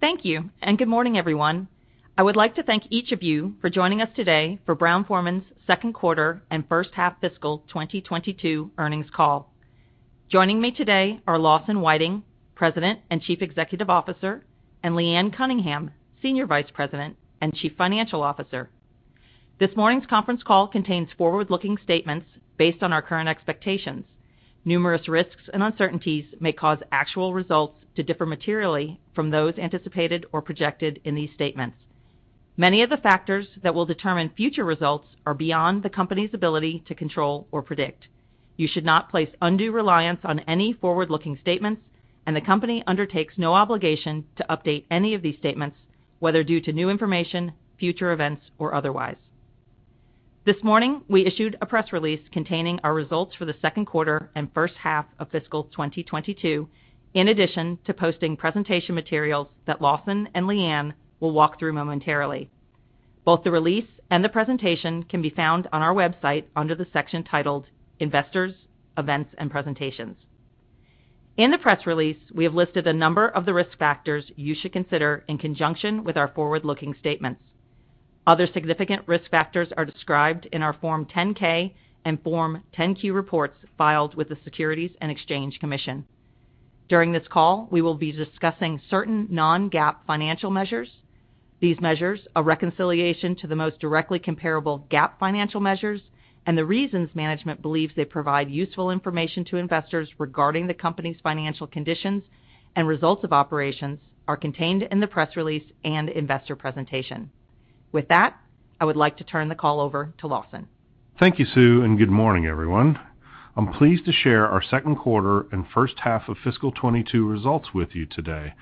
Thank you, and good morning, everyone. I would like to thank each of you for joining us today for Brown-Forman's second quarter and first-half fiscal 2022 earnings call. Joining me today are Lawson Whiting, President and Chief Executive Officer, and Leanne Cunningham, Senior Vice President and Chief Financial Officer. This morning's conference call contains forward-looking statements based on our current expectations. Numerous risks and uncertainties may cause actual results to differ materially from those anticipated or projected in these statements. Many of the factors that will determine future results are beyond the company's ability to control or predict. You should not place undue reliance on any forward-looking statements, and the company undertakes no obligation to update any of these statements, whether due to new information, future events, or otherwise. This morning, we issued a press release containing our results for the second quarter and first half of fiscal 2022, in addition to posting presentation materials that Lawson and Leanne will walk through momentarily. Both the release and the presentation can be found on our website under the section titled Investors, Events and Presentations. In the press release, we have listed a number of the risk factors you should consider in conjunction with our forward-looking statements. Other significant risk factors are described in our Form 10-K and Form 10-Q reports filed with the Securities and Exchange Commission. During this call, we will be discussing certain non-GAAP financial measures. These measures are reconciled to the most directly comparable GAAP financial measures, and the reasons management believes they provide useful information to investors regarding the company's financial conditions and results of operations are contained in the press release and investor presentation. With that, I would like to turn the call over to Lawson. Thank you, Sue, and good morning, everyone. I'm pleased to share our second quarter and first half of fiscal 2022 results with you today.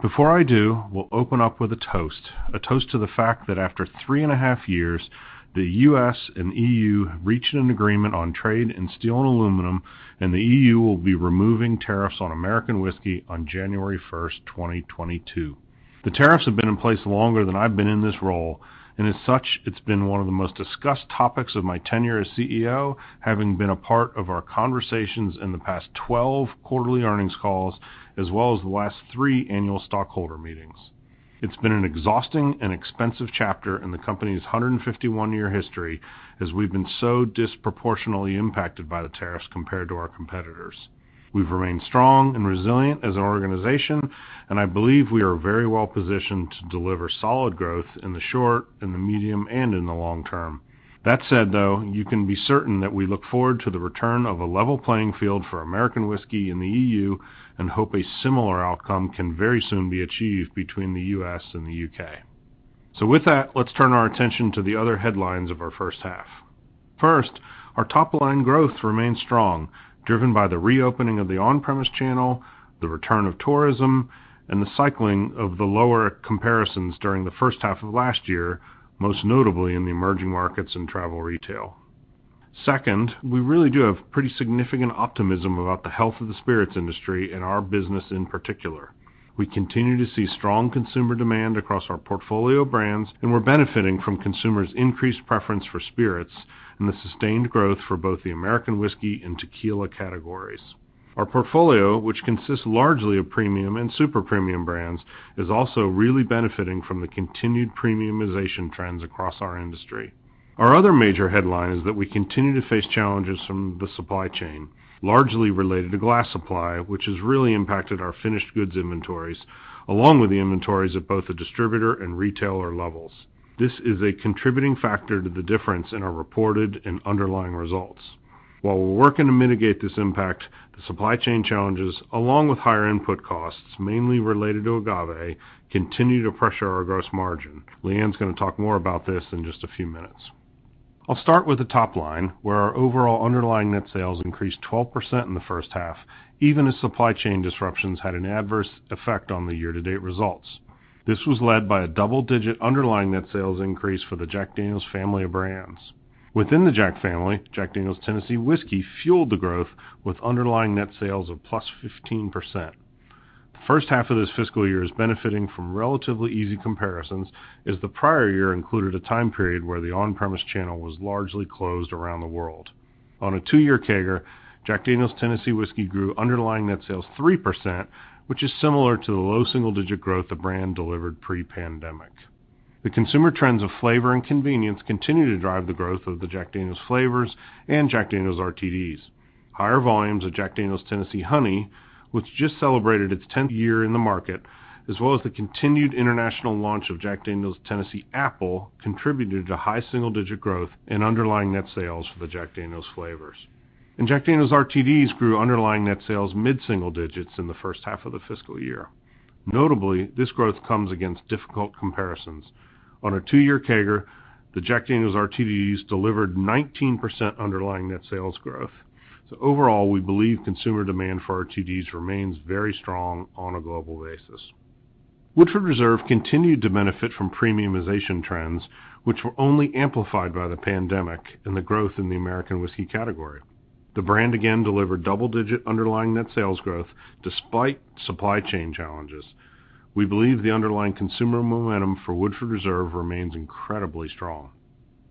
Before I do, we'll open up with a toast. A toast to the fact that after three and a half years, the U.S. and EU have reached an agreement on trade and steel and aluminum, and the EU will be removing tariffs on American whiskey on January 1, 2022. The tariffs have been in place longer than I've been in this role, and as such, it's been one of the most discussed topics of my tenure as CEO, having been a part of our conversations in the past 12 quarterly earnings calls, as well as the last three annual stockholder meetings. It's been an exhausting and expensive chapter in the company's 151-year history as we've been so disproportionately impacted by the tariffs compared to our competitors. We've remained strong and resilient as an organization, and I believe we are very well-positioned to deliver solid growth in the short, in the medium, and in the long term. That said, though, you can be certain that we look forward to the return of a level playing field for American Whiskey in the E.U. and hope a similar outcome can very soon be achieved between the U.S. and the U.K. With that, let's turn our attention to the other headlines of our first half. First, our top line growth remains strong, driven by the reopening of the on-premise channel, the return of tourism, and the cycling of the lower comparisons during the first half of last year, most notably in the emerging markets and travel retail. Second, we really do have pretty significant optimism about the health of the spirits industry and our business in particular. We continue to see strong consumer demand across our portfolio brands, and we're benefiting from consumers' increased preference for spirits and the sustained growth for both the American whiskey and tequila categories. Our portfolio, which consists largely of premium and super premium brands, is also really benefiting from the continued premiumization trends across our industry. Our other major headline is that we continue to face challenges from the supply chain, largely related to glass supply, which has really impacted our finished goods inventories, along with the inventories at both the distributor and retailer levels. This is a contributing factor to the difference in our reported and underlying results. While we're working to mitigate this impact, the supply chain challenges, along with higher input costs, mainly related to agave, continue to pressure our gross margin. Leanne is going to talk more about this in just a few minutes. I'll start with the top line, where our overall underlying net sales increased 12% in the first half, even as supply chain disruptions had an adverse effect on the year-to-date results. This was led by a double-digit underlying net sales increase for the Jack Daniel's family of brands. Within the Jack family, Jack Daniel's Tennessee Whiskey fueled the growth with underlying net sales of +15%. The first half of this fiscal year is benefiting from relatively easy comparisons as the prior year included a time period where the on-premise channel was largely closed around the world. On a two-year CAGR, Jack Daniel's Tennessee Whiskey grew underlying net sales 3%, which is similar to the low single-digit growth the brand delivered pre-pandemic. The consumer trends of flavor and convenience continue to drive the growth of the Jack Daniel's flavors and Jack Daniel's RTDs. Higher volumes of Jack Daniel's Tennessee Honey, which just celebrated its 10th year in the market, as well as the continued international launch of Jack Daniel's Tennessee Apple, contributed to high single-digit growth in underlying net sales for the Jack Daniel's flavors. Jack Daniel's RTDs grew underlying net sales mid-single digits in the first half of the fiscal year. Notably, this growth comes against difficult comparisons. On a two-year CAGR, the Jack Daniel's RTDs delivered 19% underlying net sales growth. Overall, we believe consumer demand for RTDs remains very strong on a global basis. Woodford Reserve continued to benefit from premiumization trends, which were only amplified by the pandemic and the growth in the American whiskey category. The brand again delivered double-digit underlying net sales growth despite supply chain challenges. We believe the underlying consumer momentum for Woodford Reserve remains incredibly strong.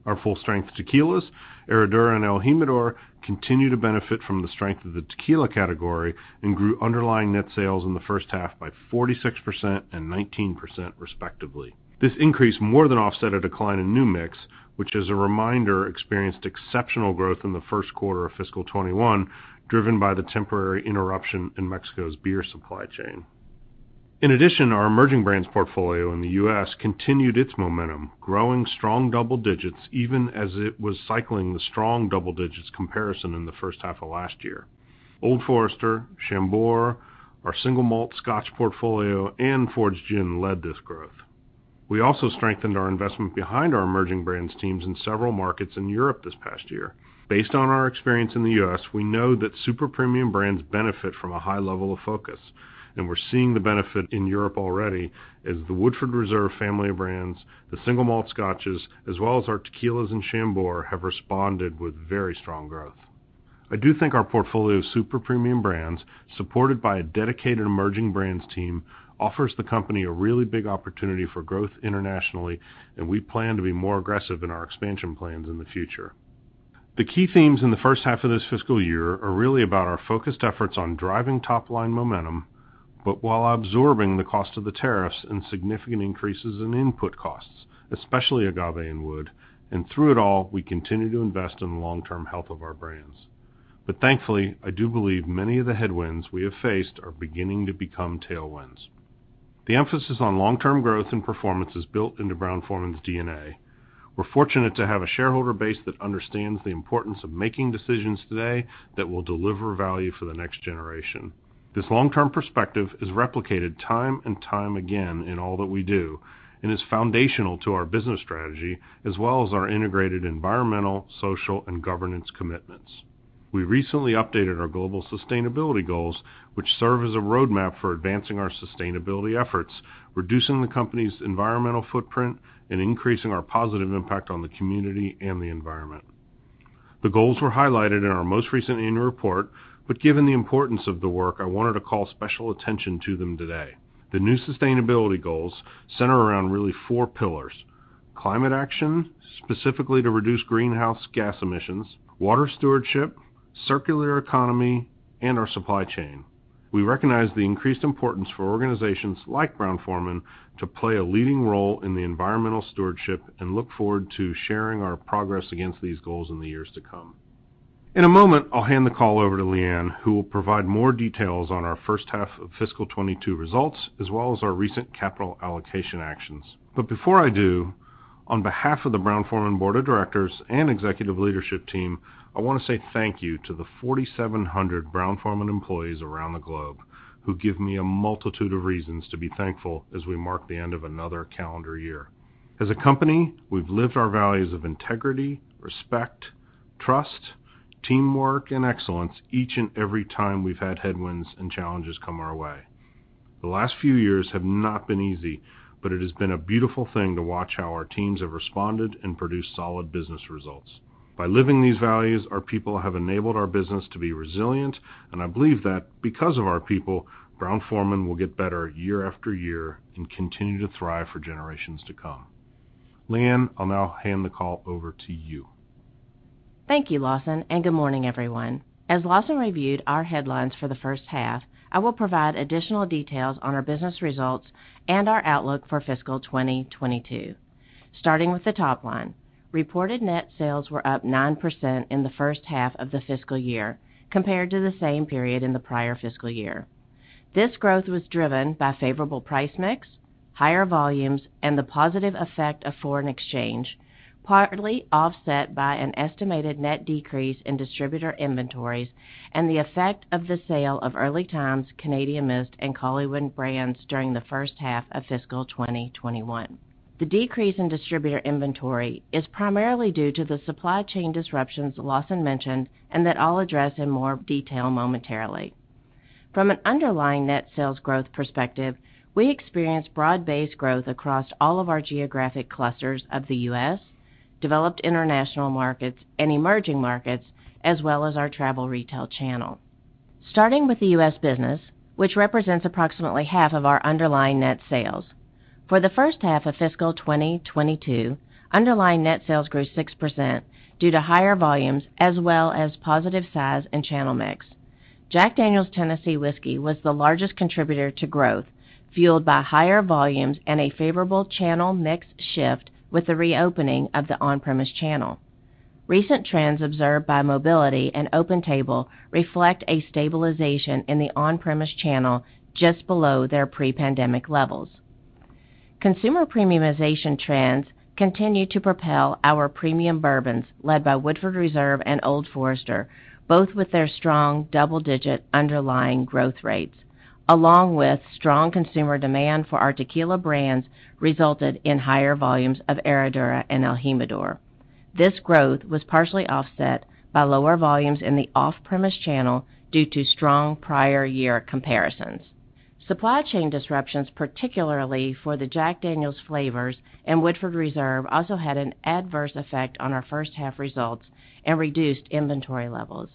Our full-strength tequilas, Herradura and el Jimador, continue to benefit from the strength of the tequila category, and grew underlying net sales in the first half by 46% and 19% respectively. This increase more than offset a decline in New Mix, which, as a reminder, experienced exceptional growth in the first quarter of fiscal 2021, driven by the temporary interruption in Mexico's beer supply chain. In addition, our Emerging Brands portfolio in the U.S. continued its momentum, growing strong double digits even as it was cycling the strong double digits comparison in the first half of last year. Old Forester, Chambord, our single malt scotch portfolio, and Fords Gin led this growth. We also strengthened our investment behind our Emerging Brands teams in several markets in Europe this past year. Based on our experience in the U.S., we know that super premium brands benefit from a high level of focus, and we're seeing the benefit in Europe already as the Woodford Reserve family of brands, the single malt scotches, as well as our tequilas and Chambord, have responded with very strong growth. I do think our portfolio of super premium brands, supported by a dedicated Emerging Brands team, offers the company a really big opportunity for growth internationally, and we plan to be more aggressive in our expansion plans in the future. The key themes in the first half of this fiscal year are really about our focused efforts on driving top-line momentum, but while absorbing the cost of the tariffs and significant increases in input costs, especially agave and wood. Through it all, we continue to invest in the long-term health of our brands. Thankfully, I do believe many of the headwinds we have faced are beginning to become tailwinds. The emphasis on long-term growth and performance is built into Brown-Forman's DNA. We're fortunate to have a shareholder base that understands the importance of making decisions today that will deliver value for the next generation. This long-term perspective is replicated time and time again in all that we do, and is foundational to our business strategy, as well as our integrated environmental, social, and governance commitments. We recently updated our global sustainability goals, which serve as a roadmap for advancing our sustainability efforts, reducing the company's environmental footprint, and increasing our positive impact on the community and the environment. The goals were highlighted in our most recent annual report, but given the importance of the work, I wanted to call special attention to them today. The new sustainability goals center around really four pillars, climate action, specifically to reduce greenhouse gas emissions, water stewardship, circular economy, and our supply chain. We recognize the increased importance for organizations like Brown-Forman to play a leading role in the environmental stewardship, and look forward to sharing our progress against these goals in the years to come. In a moment, I'll hand the call over to Leanne, who will provide more details on our first half of fiscal 2022 results, as well as our recent capital allocation actions. Before I do, on behalf of the Brown-Forman board of directors and executive leadership team, I want to say thank you to the 4,700 Brown-Forman employees around the globe who give me a multitude of reasons to be thankful as we mark the end of another calendar year. As a company, we've lived our values of integrity, respect, trust, teamwork, and excellence each and every time we've had headwinds and challenges come our way. The last few years have not been easy, but it has been a beautiful thing to watch how our teams have responded and produced solid business results. By living these values, our people have enabled our business to be resilient, and I believe that because of our people, Brown-Forman will get better year after year and continue to thrive for generations to come. Leanne, I'll now hand the call over to you. Thank you, Lawson, and good morning, everyone. As Lawson reviewed our headlines for the first half, I will provide additional details on our business results and our outlook for fiscal 2022. Starting with the top line. Reported net sales were up 9% in the first half of the fiscal year compared to the same period in the prior fiscal year. This growth was driven by favorable price mix, higher volumes, and the positive effect of foreign exchange, partly offset by an estimated net decrease in distributor inventories and the effect of the sale of Early Times, Canadian Mist, and Collingwood brands during the first half of fiscal 2021. The decrease in distributor inventory is primarily due to the supply chain disruptions Lawson mentioned, and that I'll address in more detail momentarily. From an underlying net sales growth perspective, we experienced broad-based growth across all of our geographic clusters of the U.S., developed international markets, and emerging markets, as well as our travel retail channel. Starting with the U.S. business, which represents approximately half of our underlying net sales, for the first half of fiscal 2022, underlying net sales grew 6% due to higher volumes as well as positive size and channel mix. Jack Daniel's Tennessee Whiskey was the largest contributor to growth, fueled by higher volumes and a favorable channel mix shift with the reopening of the on-premise channel. Recent trends observed by mobility and OpenTable reflect a stabilization in the on-premise channel just below their pre-pandemic levels. Consumer premiumization trends continue to propel our premium bourbons, led by Woodford Reserve and Old Forester, both with their strong double-digit underlying growth rates, along with strong consumer demand for our tequila brands, resulted in higher volumes of Herradura and el Jimador. This growth was partially offset by lower volumes in the off-premise channel due to strong prior year comparisons. Supply chain disruptions, particularly for the Jack Daniel's flavors and Woodford Reserve, also had an adverse effect on our first half results and reduced inventory levels.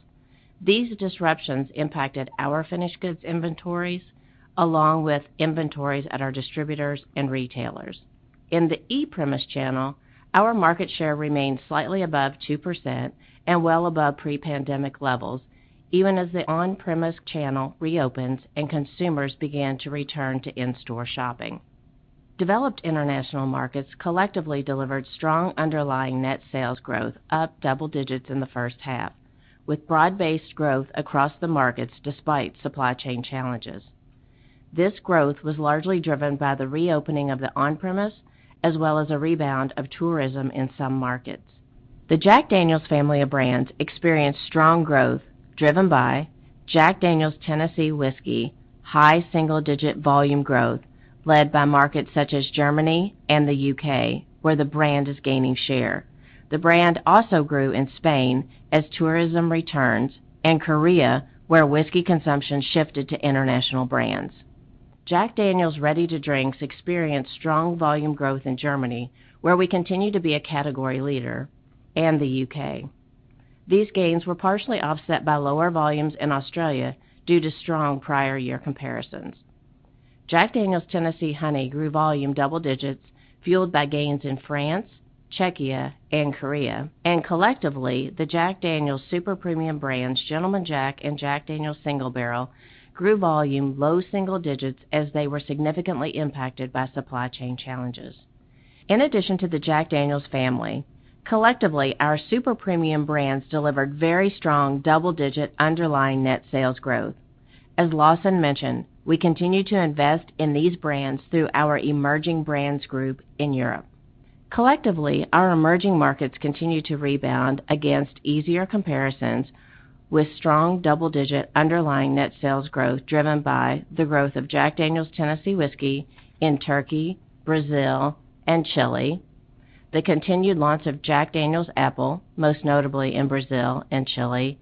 These disruptions impacted our finished goods inventories along with inventories at our distributors and retailers. In the E-premise channel, our market share remained slightly above 2% and well above pre-pandemic levels, even as the on-premise channel reopens and consumers began to return to in-store shopping. Developed international markets collectively delivered strong underlying net sales growth up double digits in the first half, with broad-based growth across the markets despite supply chain challenges. This growth was largely driven by the reopening of the on-premise, as well as a rebound of tourism in some markets. The Jack Daniel's family of brands experienced strong growth, driven by Jack Daniel's Tennessee Whiskey, high single-digit volume growth, led by markets such as Germany and the U.K., where the brand is gaining share. The brand also grew in Spain as tourism returns, and Korea, where whiskey consumption shifted to international brands. Jack Daniel's ready-to-drinks experienced strong volume growth in Germany, where we continue to be a category leader, and the U.K. These gains were partially offset by lower volumes in Australia due to strong prior year comparisons. Jack Daniel's Tennessee Honey grew volume double digits, fueled by gains in France, Czechia, and Korea. Collectively, the Jack Daniel's super-premium brands, Gentleman Jack and Jack Daniel's Single Barrel, grew volume low single digits as they were significantly impacted by supply chain challenges. In addition to the Jack Daniel's family, collectively, our super-premium brands delivered very strong double-digit underlying net sales growth. As Lawson mentioned, we continue to invest in these brands through our emerging brands group in Europe. Collectively, our emerging markets continue to rebound against easier comparisons with strong double-digit underlying net sales growth, driven by the growth of Jack Daniel's Tennessee Whiskey in Turkey, Brazil, and Chile, the continued launch of Jack Daniel's Apple, most notably in Brazil and Chile.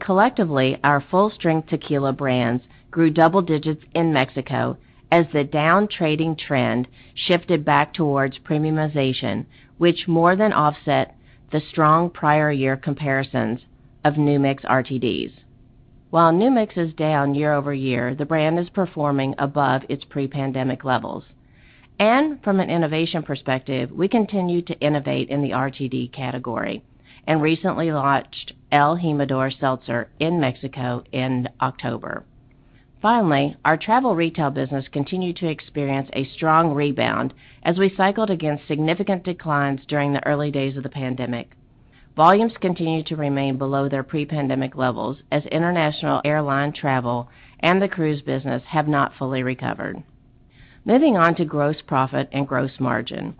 Collectively, our full-strength tequila brands grew double digits in Mexico as the down trading trend shifted back towards premiumization, which more than offset the strong prior year comparisons of New Mix RTDs. While new mix is down year-over-year, the brand is performing above its pre-pandemic levels. From an innovation perspective, we continue to innovate in the RTD category and recently launched el Jimador Seltzer in Mexico in October. Finally, our travel retail business continued to experience a strong rebound as we cycled against significant declines during the early days of the pandemic. Volumes continued to remain below their pre-pandemic levels as international airline travel and the cruise business have not fully recovered. Moving on to gross profit and gross margin.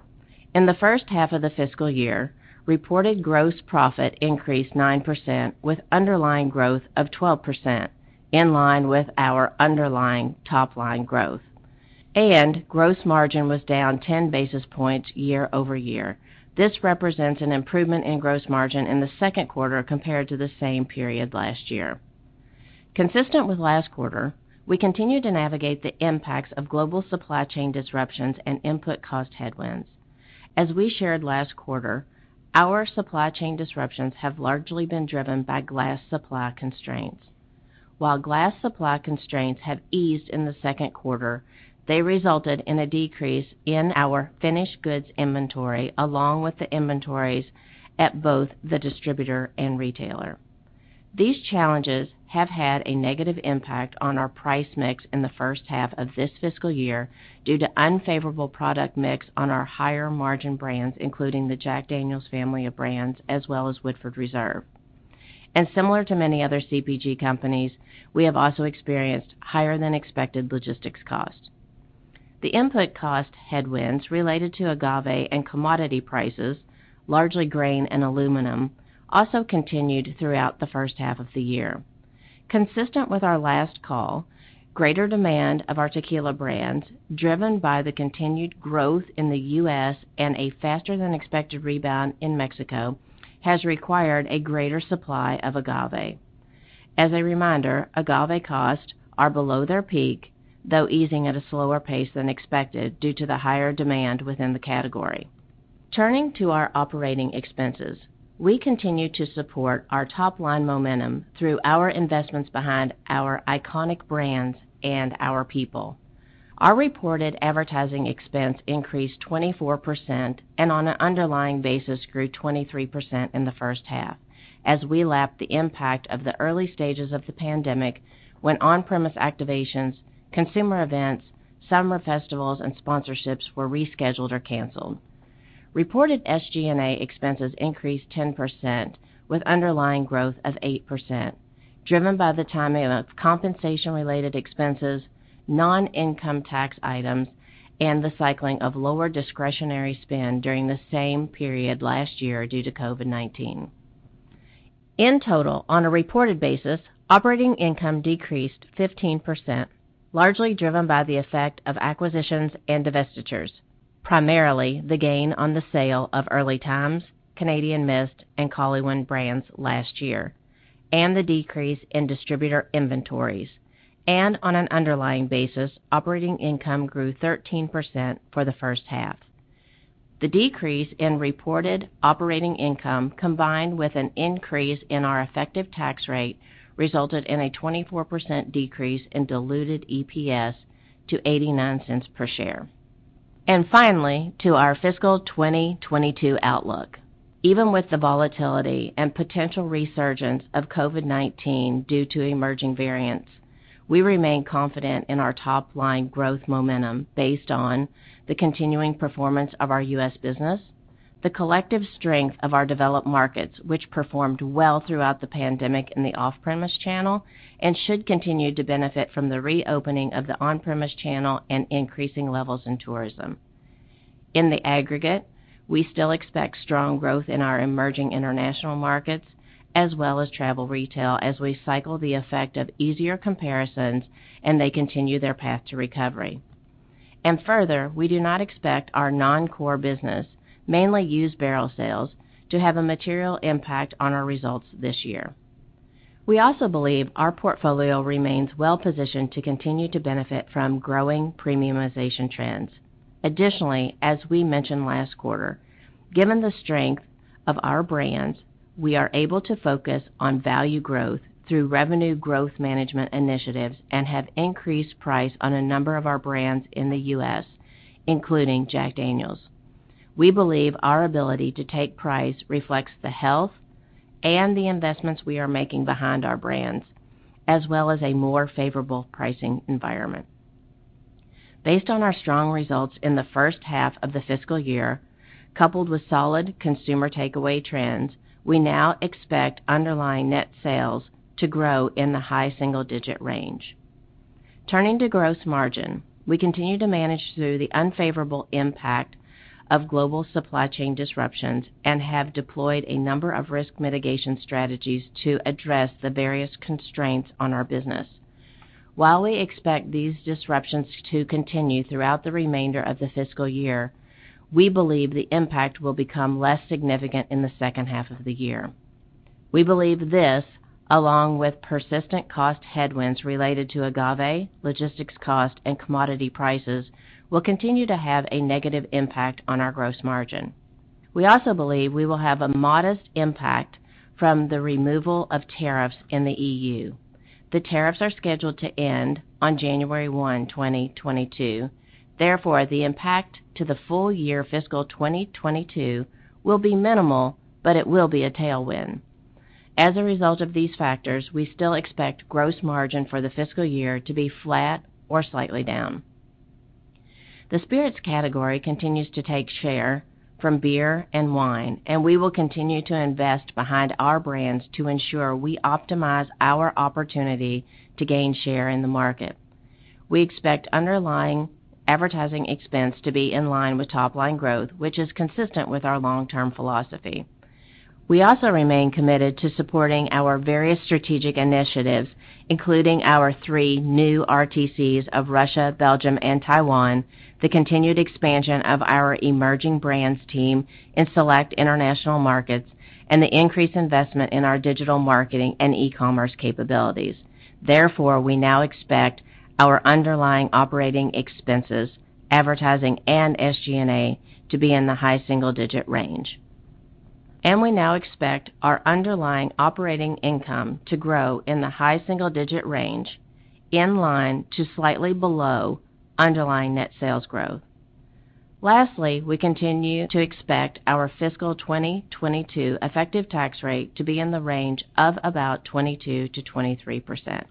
In the first half of the fiscal year, reported gross profit increased 9% with underlying growth of 12% in line with our underlying top line growth. Gross margin was down 10 basis points year-over-year. This represents an improvement in gross margin in the second quarter compared to the same period last year. Consistent with last quarter, we continued to navigate the impacts of global supply chain disruptions and input cost headwinds. As we shared last quarter, our supply chain disruptions have largely been driven by glass supply constraints. While glass supply constraints have eased in the second quarter, they resulted in a decrease in our finished goods inventory, along with the inventories at both the distributor and retailer. These challenges have had a negative impact on our price mix in the first half of this fiscal year due to unfavorable product mix on our higher margin brands, including the Jack Daniel's family of brands, as well as Woodford Reserve. Similar to many other CPG companies, we have also experienced higher than expected logistics costs. The input cost headwinds related to agave and commodity prices, largely grain and aluminum, also continued throughout the first half of the year. Consistent with our last call, greater demand of our tequila brands, driven by the continued growth in the U.S. and a faster than expected rebound in Mexico, has required a greater supply of agave. As a reminder, agave costs are below their peak, though easing at a slower pace than expected due to the higher demand within the category. Turning to our operating expenses, we continue to support our top-line momentum through our investments behind our iconic brands and our people. Our reported advertising expense increased 24%, and on an underlying basis, grew 23% in the first half as we lap the impact of the early stages of the pandemic when on-premise activations, consumer events, summer festivals, and sponsorships were rescheduled or canceled. Reported SG&A expenses increased 10%, with underlying growth of 8%, driven by the timing of compensation-related expenses, non-income tax items, and the cycling of lower discretionary spend during the same period last year due to COVID-19. In total, on a reported basis, operating income decreased 15%, largely driven by the effect of acquisitions and divestitures, primarily the gain on the sale of Early Times, Canadian Mist, and Collingwood brands last year, and the decrease in distributor inventories. On an underlying basis, operating income grew 13% for the first half. The decrease in reported operating income, combined with an increase in our effective tax rate, resulted in a 24% decrease in diluted EPS to $0.89 per share. Finally, to our fiscal 2022 outlook. Even with the volatility and potential resurgence of COVID-19 due to emerging variants, we remain confident in our top line growth momentum based on the continuing performance of our U.S. business, the collective strength of our developed markets, which performed well throughout the pandemic in the off-premise channel and should continue to benefit from the reopening of the on-premise channel and increasing levels in tourism. In the aggregate, we still expect strong growth in our emerging international markets as well as travel retail as we cycle the effect of easier comparisons and they continue their path to recovery. Further, we do not expect our non-core business, mainly used barrel sales, to have a material impact on our results this year. We also believe our portfolio remains well-positioned to continue to benefit from growing premiumization trends. Additionally, as we mentioned last quarter, given the strength of our brands, we are able to focus on value growth through revenue growth management initiatives and have increased price on a number of our brands in the U.S., including Jack Daniel's. We believe our ability to take price reflects the health and the investments we are making behind our brands, as well as a more favorable pricing environment. Based on our strong results in the first half of the fiscal year, coupled with solid consumer takeaway trends, we now expect underlying net sales to grow in the high single-digit range. Turning to gross margin, we continue to manage through the unfavorable impact of global supply chain disruptions and have deployed a number of risk mitigation strategies to address the various constraints on our business. While we expect these disruptions to continue throughout the remainder of the fiscal year, we believe the impact will become less significant in the second half of the year. We believe this, along with persistent cost headwinds related to agave, logistics cost, and commodity prices, will continue to have a negative impact on our gross margin. We also believe we will have a modest impact from the removal of tariffs in the EU. The tariffs are scheduled to end on January 1, 2022. Therefore, the impact to the full year fiscal 2022 will be minimal, but it will be a tailwind. As a result of these factors, we still expect gross margin for the fiscal year to be flat or slightly down. The spirits category continues to take share from beer and wine, and we will continue to invest behind our brands to ensure we optimize our opportunity to gain share in the market. We expect underlying advertising expense to be in line with top line growth, which is consistent with our long-term philosophy. We also remain committed to supporting our various strategic initiatives, including our three new RTCs of Russia, Belgium, and Taiwan, the continued expansion of our emerging brands team in select international markets, and the increased investment in our digital marketing and e-commerce capabilities. Therefore, we now expect our underlying operating expenses, advertising and SG&A, to be in the high single-digit range. We now expect our underlying operating income to grow in the high single-digit range in line to slightly below underlying net sales growth. Lastly, we continue to expect our fiscal 2022 effective tax rate to be in the range of about 22%-23%.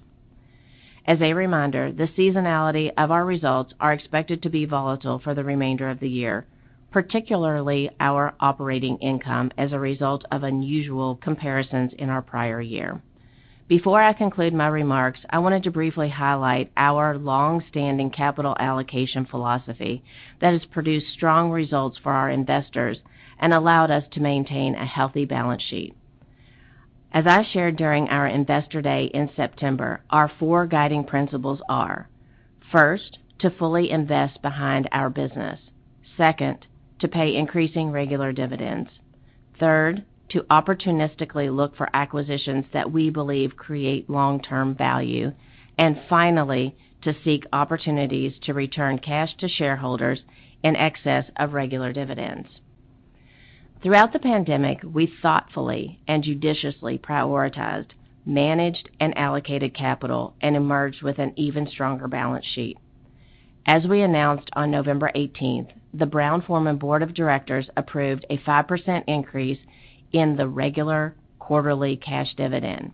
As a reminder, the seasonality of our results are expected to be volatile for the remainder of the year, particularly our operating income as a result of unusual comparisons in our prior year. Before I conclude my remarks, I wanted to briefly highlight our long-standing capital allocation philosophy that has produced strong results for our investors and allowed us to maintain a healthy balance sheet. As I shared during our Investor Day in September, our four guiding principles are, first, to fully invest behind our business. Second, to pay increasing regular dividends. Third, to opportunistically look for acquisitions that we believe create long-term value. Finally, to seek opportunities to return cash to shareholders in excess of regular dividends. Throughout the pandemic, we thoughtfully and judiciously prioritized, managed, and allocated capital and emerged with an even stronger balance sheet. As we announced on November 18, the Brown-Forman Board of Directors approved a 5% increase in the regular quarterly cash dividend.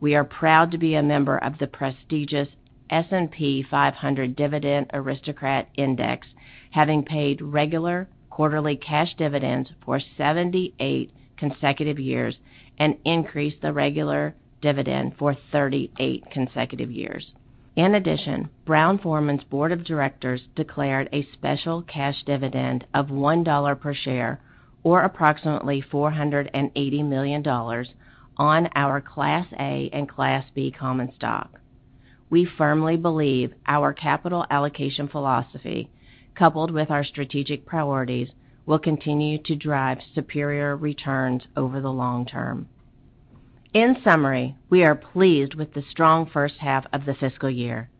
We are proud to be a member of the prestigious S&P 500 Dividend Aristocrats Index, having paid regular quarterly cash dividends for 78 consecutive years and increased the regular dividend for 38 consecutive years. In addition, Brown-Forman's Board of Directors declared a special cash dividend of $1 per share or approximately $480 million on our Class A and Class B common stock. We firmly believe our capital allocation philosophy, coupled with our strategic priorities, will continue to drive superior returns over the long term. In summary, we are pleased with the strong first half of the fiscal year.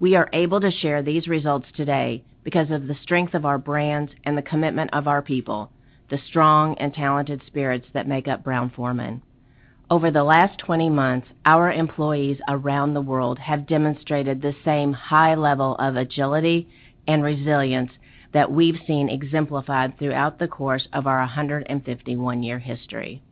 We are able to share these results today because of the strength of our brands and the commitment of our people, the strong and talented spirits that make up Brown-Forman. Over the last 20 months, our employees around the world have demonstrated the same high level of agility and resilience that we've seen exemplified throughout the course of our 151-year history.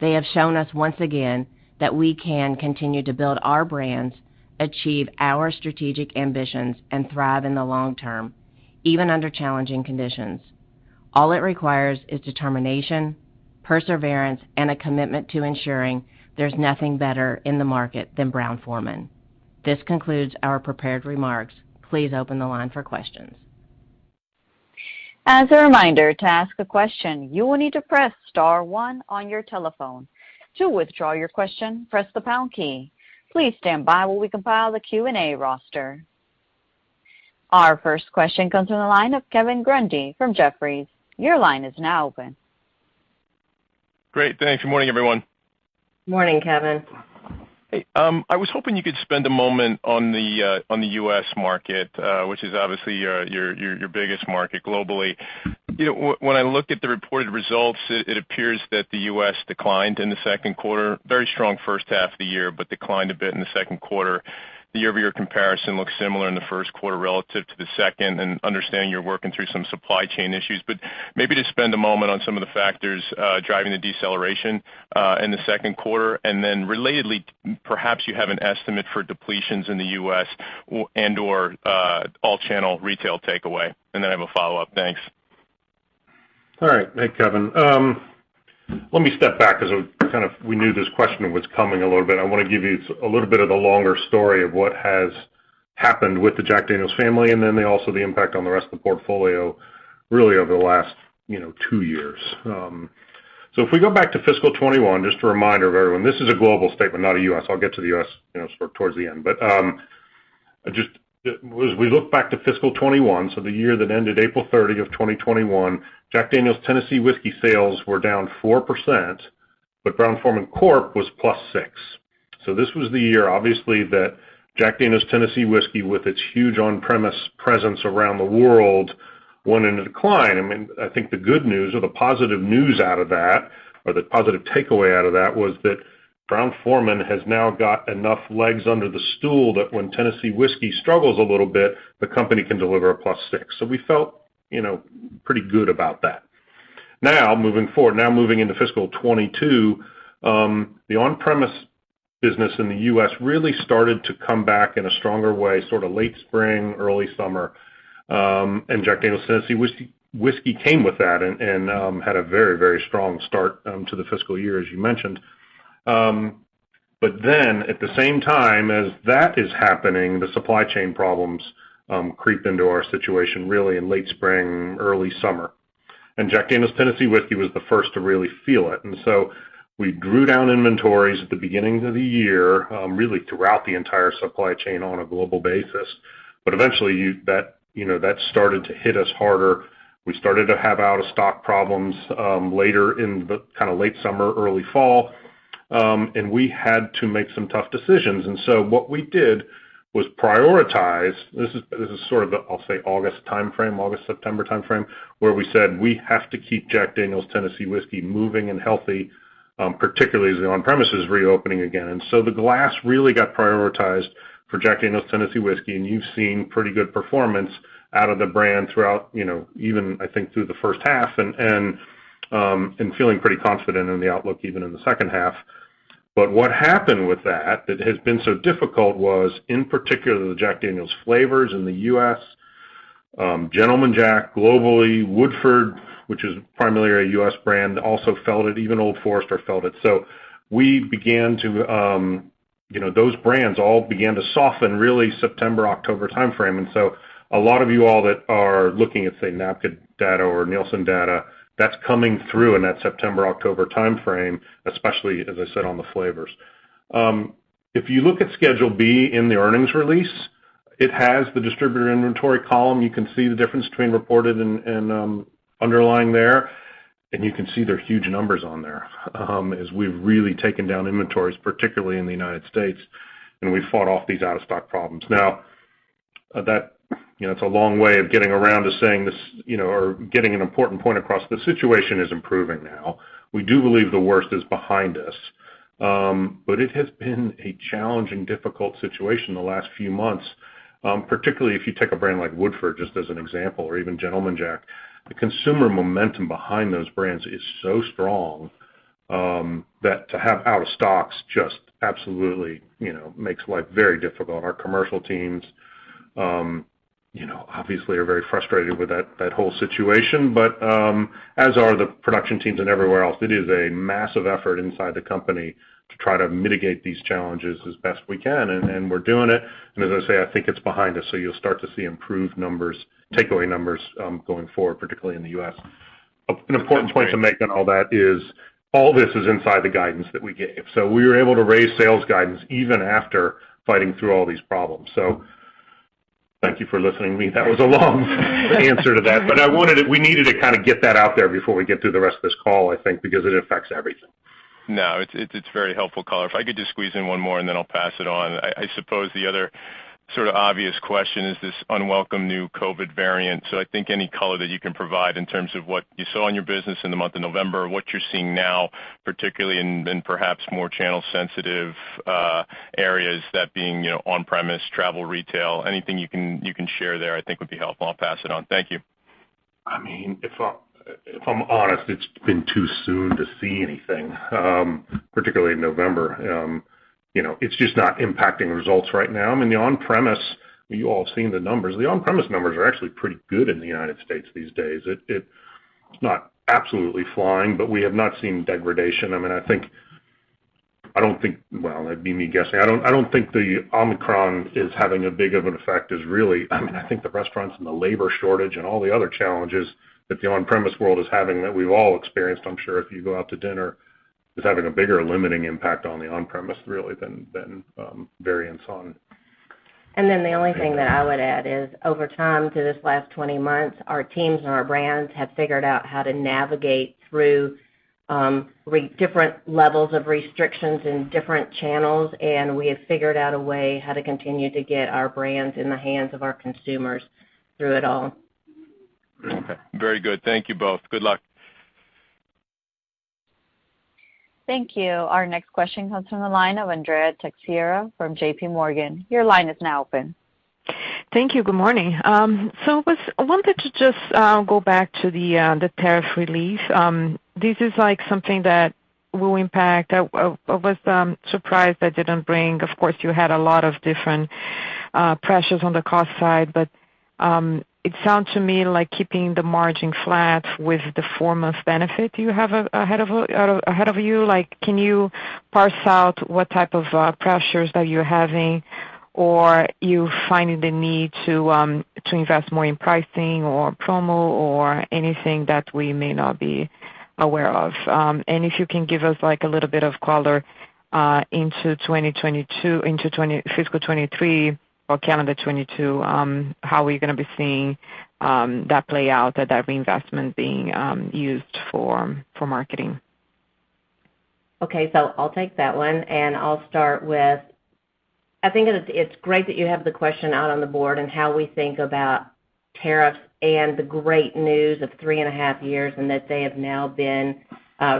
They have shown us once again that we can continue to build our brands, achieve our strategic ambitions, and thrive in the long term, even under challenging conditions. All it requires is determination, perseverance, and a commitment to ensuring there's nothing better in the market than Brown-Forman. This concludes our prepared remarks. Please open the line for questions. As a reminder, to ask a question, you will need to press star one on your telephone. To withdraw your question, press the pound key. Please stand by while we compile the Q&A roster. Our first question comes from the line of Kevin Grundy from Jefferies. Your line is now open. Great. Thanks. Good morning, everyone. Morning, Kevin. Hey, I was hoping you could spend a moment on the U.S. market, which is obviously your biggest market globally. You know, when I look at the reported results, it appears that the U.S. declined in the second quarter. Very strong first half of the year, but declined a bit in the second quarter. The year-over-year comparison looks similar in the first quarter relative to the second, and understanding you're working through some supply chain issues. Maybe just spend a moment on some of the factors driving the deceleration in the second quarter. Then relatedly, perhaps you have an estimate for depletions in the U.S. or and/or all channel retail takeaway, and then I have a follow-up? Thanks. All right. Hey, Kevin. Let me step back because kind of we knew this question was coming a little bit. I wanna give you a little bit of the longer story of what has happened with the Jack Daniel's family, and then also the impact on the rest of the portfolio really over the last, you know, two years. If we go back to fiscal 2021, just a reminder to everyone, this is a global statement, not a U.S. I'll get to the U.S., you know, sort of towards the end. Just as we look back to fiscal 2021, the year that ended April 30, 2021, Jack Daniel's Tennessee Whiskey sales were down 4%, but Brown-Forman Corp was plus 6%. This was the year, obviously, that Jack Daniel's Tennessee Whiskey, with its huge on-premise presence around the world, went into decline. I mean, I think the good news or the positive news out of that, or the positive takeaway out of that, was that Brown-Forman has now got enough legs under the stool that when Tennessee Whiskey struggles a little bit, the company can deliver a +6%. We felt, you know, pretty good about that. Now, moving into fiscal 2022, the on-premise business in the U.S. really started to come back in a stronger way, sort of late spring, early summer. Jack Daniel's Tennessee Whiskey came with that and had a very, very strong start to the fiscal year, as you mentioned. Then at the same time as that is happening, the supply chain problems creep into our situation really in late spring, early summer. Jack Daniel's Tennessee Whiskey was the first to really feel it. We drew down inventories at the beginning of the year, really throughout the entire supply chain on a global basis. Eventually, you know, that started to hit us harder. We started to have out-of-stock problems later in the kind of late summer, early fall, and we had to make some tough decisions. What we did was prioritize. This is sort of the, I'll say, August, September timeframe, where we said, "We have to keep Jack Daniel's Tennessee Whiskey moving and healthy, particularly as the on-premise is reopening again." The glass really got prioritized for Jack Daniel's Tennessee Whiskey, and you've seen pretty good performance out of the brand throughout, you know, even, I think, through the first half and feeling pretty confident in the outlook even in the second half. What happened with that has been so difficult was, in particular, the Jack Daniel's flavors in the U.S., Gentleman Jack globally, Woodford, which is primarily a U.S. brand, also felt it. Even Old Forester felt it. Those brands all began to soften really September, October timeframe. A lot of you all that are looking at, say, Nielsen data or Nielsen data, that's coming through in that September, October timeframe, especially, as I said, on the flavors. If you look at Schedule B in the earnings release, it has the distributor inventory column. You can see the difference between reported and underlying there, and you can see there are huge numbers on there, as we've really taken down inventories, particularly in the United States, and we fought off these out-of-stock problems. Now that, you know, it's a long way of getting around to saying this, you know, or getting an important point across. The situation is improving now. We do believe the worst is behind us. It has been a challenging, difficult situation the last few months, particularly if you take a brand like Woodford, just as an example, or even Gentleman Jack. The consumer momentum behind those brands is so strong, that to have out of stocks just absolutely, you know, makes life very difficult. Our commercial teams, you know, obviously are very frustrated with that whole situation. As are the production teams and everywhere else, it is a massive effort inside the company to try to mitigate these challenges as best we can, and we're doing it. As I say, I think it's behind us, so you'll start to see improved numbers, takeaway numbers, going forward, particularly in the U.S. An important point to make on all that is all this is inside the guidance that we gave. We were able to raise sales guidance even after fighting through all these problems. Thank you for listening to me. That was a long answer to that. I wanted it, we needed to kind of get that out there before we get through the rest of this call, I think, because it affects everything. No, it's very helpful color. If I could just squeeze in one more, and then I'll pass it on. I suppose the other sort of obvious question is this unwelcome new COVID variant. I think any color that you can provide in terms of what you saw in your business in the month of November, what you're seeing now, particularly in perhaps more channel sensitive areas, that being on-premise, travel retail. Anything you can share there I think would be helpful? I'll pass it on. Thank you. I mean, if I'm honest, it's been too soon to see anything particularly in November. You know, it's just not impacting results right now. I mean, the on-premise, you all have seen the numbers. The on-premise numbers are actually pretty good in the United States these days. It's not absolutely flying, but we have not seen degradation. I mean, I don't think, well, that'd be me guessing. I don't think the Omicron is having as big of an effect as really, I mean, I think the restaurants and the labor shortage and all the other challenges that the on-premise world is having that we've all experienced, I'm sure if you go out to dinner, is having a bigger limiting impact on the on-premise really than variants. The only thing that I would add is, over time, through this last 20 months, our teams and our brands have figured out how to navigate through re-different levels of restrictions in different channels, and we have figured out a way how to continue to get our brands in the hands of our consumers through it all. Okay. Very good. Thank you both. Good luck. Thank you. Our next question comes from the line of Andrea Teixeira from JPMorgan. Your line is now open. Thank you. Good morning. I wanted to just go back to the tariff relief. This is like something that will impact. I was surprised that didn't bring. Of course, you had a lot of different pressures on the cost side. It sounds to me like keeping the margin flat with the foremost benefit you have ahead of you. Like, can you parse out what type of pressures that you're having? Or are you finding the need to invest more in pricing or promo or anything that we may not be aware of? If you can give us like a little bit of color into fiscal 2023 or calendar 2022, how are we gonna be seeing that play out or that reinvestment being used for marketing? Okay. I'll take that one, and I'll start with I think it's great that you have the question out on the board and how we think about tariffs and the great news of three and a half years, and that they have now been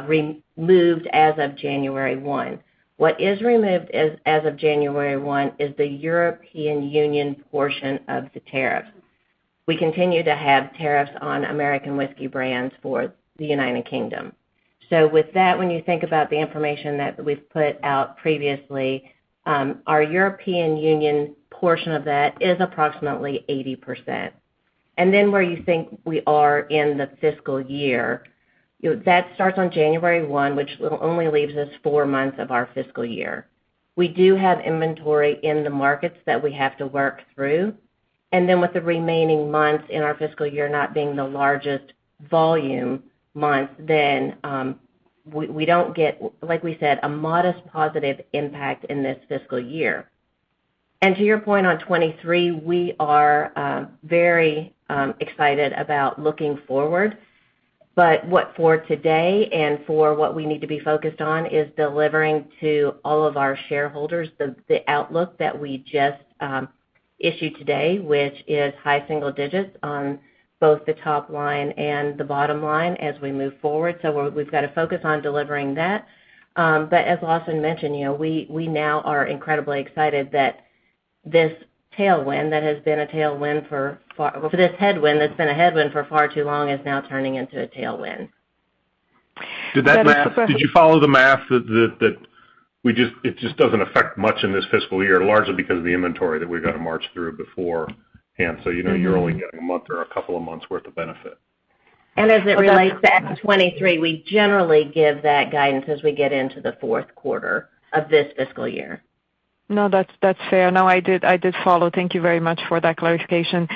removed as of January 1. What is removed as of January 1 is the European Union portion of the tariff. We continue to have tariffs on American whiskey brands for the United Kingdom. With that, when you think about the information that we've put out previously, our European Union portion of that is approximately 80%. Where you think we are in the fiscal year, you know, that starts on January 1, which will only leaves us four months of our fiscal year. We do have inventory in the markets that we have to work through. With the remaining months in our fiscal year not being the largest volume month, we don't get, like we said, a modest positive impact in this fiscal year. To your point on 2023, we are very excited about looking forward. What for today and for what we need to be focused on is delivering to all of our shareholders the outlook that we just issued today, which is high single digits on both the top line and the bottom line as we move forward. We've got to focus on delivering that. As Lawson mentioned, you know, we now are incredibly excited that this headwind that's been a headwind for far too long is now turning into a tailwind. Did you follow the math? It just doesn't affect much in this fiscal year, largely because of the inventory that we've got to march through beforehand. You know you're only getting a month or a couple of months worth of benefit. As it relates to 2023, we generally give that guidance as we get into the fourth quarter of this fiscal year. No, that's fair. No, I did follow. Thank you very much for that clarification.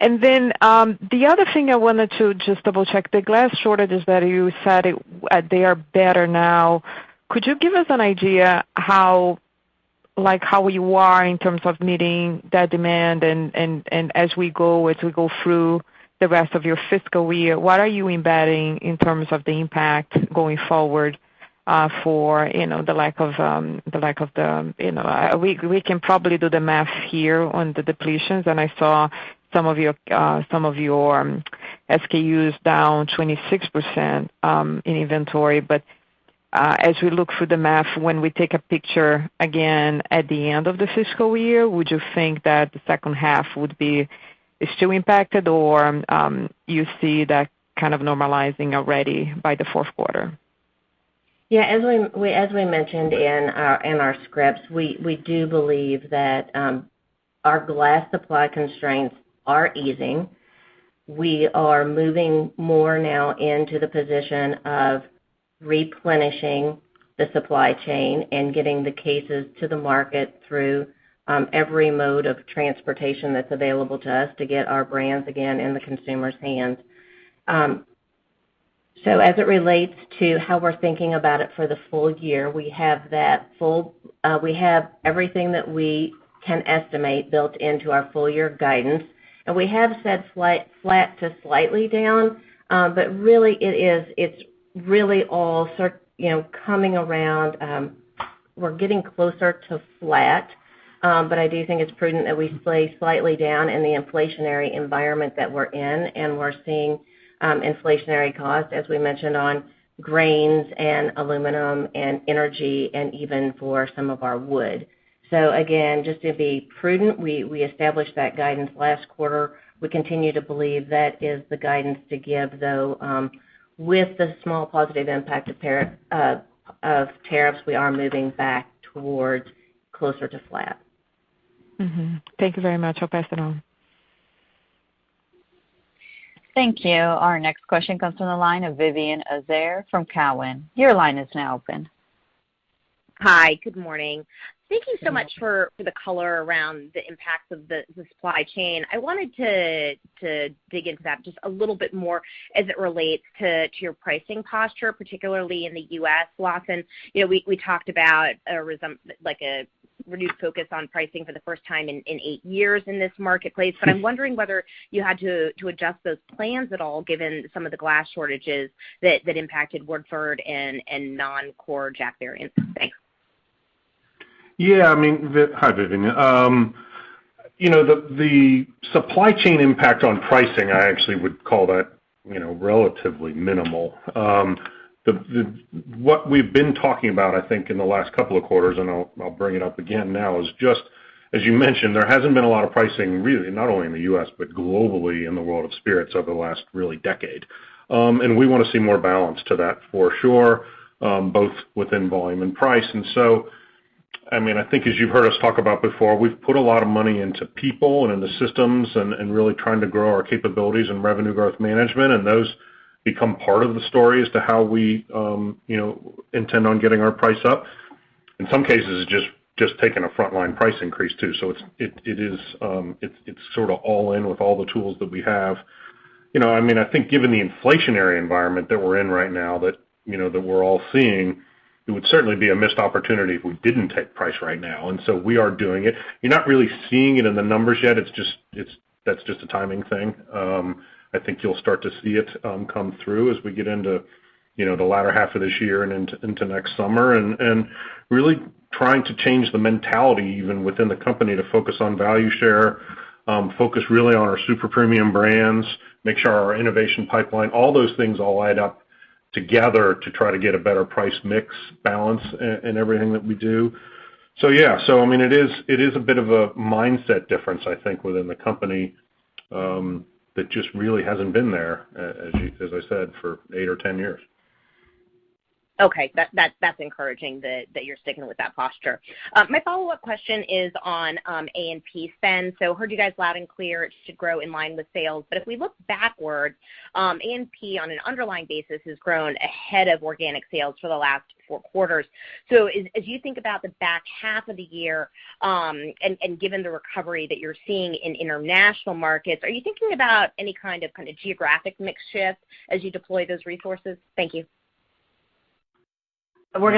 The other thing I wanted to just double check the glass shortages that you said they are better now. Could you give us an idea how, like, how you are in terms of meeting that demand and as we go through the rest of your fiscal year? What are you embedding in terms of the impact going forward for you know the lack of the you know. We can probably do the math here on the depletions, and I saw some of your SKUs down 26% in inventory. As we look through the math, when we take a picture again at the end of the fiscal year, would you think that the second half would be still impacted or, you see that kind of normalizing already by the fourth quarter? Yeah, as we mentioned in our scripts, we do believe that our glass supply constraints are easing. We are moving more now into the position of replenishing the supply chain and getting the cases to the market through every mode of transportation that's available to us to get our brands again in the consumer's hands. As it relates to how we're thinking about it for the full year, we have everything that we can estimate built into our full year guidance, and we have said flat to slightly down. It's really all sort, you know, coming around. We're getting closer to flat. I do think it's prudent that we stay slightly down in the inflationary environment that we're in, and we're seeing inflationary costs, as we mentioned, on grains and aluminum and energy and even for some of our wood. Again, just to be prudent, we established that guidance last quarter. We continue to believe that is the guidance to give, though with the small positive impact of tariffs, we are moving back towards closer to flat. Mm-hmm. Thank you very much. I'll pass it on. Thank you. Our next question comes from the line of Vivien Azer from Cowen. Your line is now open. Hi. Good morning. Thank you so much for the color around the impacts of the supply chain. I wanted to dig into that just a little bit more as it relates to your pricing posture, particularly in the U.S., Lawson. You know, we talked about like a reduced focus on pricing for the first time in eight years in this marketplace. I'm wondering whether you had to adjust those plans at all, given some of the glass shortages that impacted Woodford and non-core Jack variants. Thanks. Yeah, I mean, hi, Vivian. You know, the supply chain impact on pricing, I actually would call that, you know, relatively minimal. What we've been talking about, I think, in the last couple of quarters, and I'll bring it up again now, is just, as you mentioned, there hasn't been a lot of pricing really, not only in the U.S., but globally in the world of spirits over the last really decade. We wanna see more balance to that for sure, both within volume and price. I mean, I think as you've heard us talk about before, we've put a lot of money into people and in the systems and really trying to grow our capabilities in revenue growth management, and those become part of the story as to how we, you know, intend on getting our price up. In some cases just taking a frontline price increase, too. It is sorta all in with all the tools that we have. You know, I mean, I think given the inflationary environment that we're in right now, you know, that we're all seeing, it would certainly be a missed opportunity if we didn't take price right now. We are doing it. You're not really seeing it in the numbers yet. It's just a timing thing. I think you'll start to see it come through as we get into, you know, the latter half of this year and into next summer. Really trying to change the mentality even within the company to focus on value share, focus really on our super premium brands, make sure our innovation pipeline, all those things all add up together to try to get a better price mix balance in everything that we do. I mean, it is a bit of a mindset difference, I think, within the company that just really hasn't been there as you, as I said, for eight or 10 years. Okay. That's encouraging that you're sticking with that posture. My follow-up question is on A&P spend. Heard you guys loud and clear it should grow in line with sales. If we look backward, A&P on an underlying basis has grown ahead of organic sales for the last four quarters. As you think about the back half of the year, and given the recovery that you're seeing in international markets, are you thinking about any kind of geographic mix shift as you deploy those resources? Thank you. We're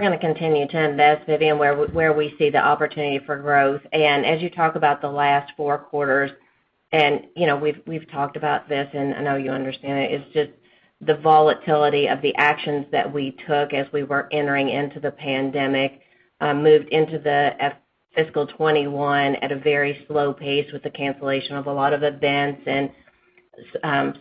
gonna continue to invest, Vivian, where we see the opportunity for growth. As you talk about the last four quarters, you know, we've talked about this, and I know you understand it's just the volatility of the actions that we took as we were entering into the pandemic, moved into fiscal 2021 at a very slow pace with the cancellation of a lot of events and